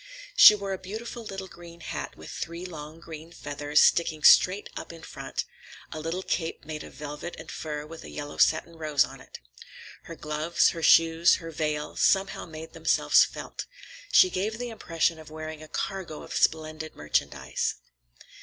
She wore a beautiful little green hat with three long green feathers sticking straight up in front, a little cape made of velvet and fur with a yellow satin rose on it. Her gloves, her shoes, her veil, somehow made themselves felt. She gave the impression of wearing a cargo of splendid merchandise.